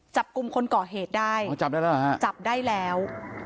จับกุมคนเกาะเหตุได้จับได้แล้ว